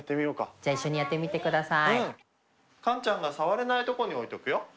じゃあ一緒にやってみてください。